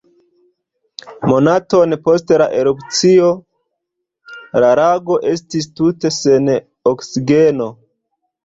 Monaton post la erupcio, la lago estis tute sen oksigeno.